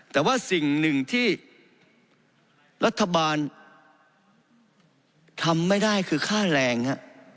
แต่ว่าสิ่งหนึ่งที่รัฐบาลทำไม่ได้คือค่าแรงฮะ